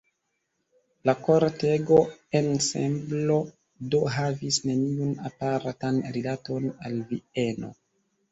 La kortego-ensemblo do havis neniun apartan rilaton al Vieno.